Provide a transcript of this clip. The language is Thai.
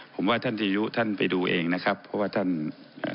ผมว่าท่านที่ยุท่านไปดูเองนะครับเพราะว่าท่านอ่า